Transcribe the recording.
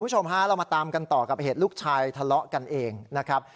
คุณผู้ชมฮะเรามาตามกันต่อกับเหตุลูกชายทะเลาะกันเองนะครับ